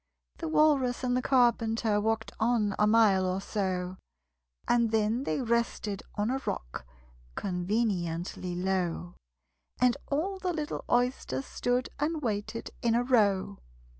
The Walrus and the Carpenter Walked on a mile or so, And then they rested on a rock Conveniently low: And all the little Oysters stood And waited in a row.